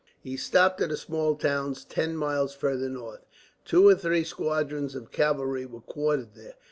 He stopped at a small town, ten miles farther north. Two or three squadrons of cavalry were quartered there.